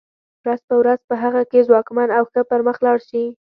ورځ په ورځ په هغه کې ځواکمن او ښه پرمخ لاړ شي.